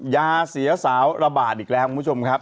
ยาเสียสาวระบาดอีกแล้วคุณผู้ชมครับ